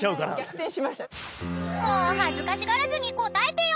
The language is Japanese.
［もう恥ずかしがらずに答えてよ！］